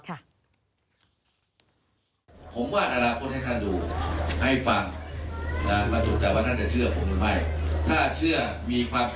ทำได้ไหม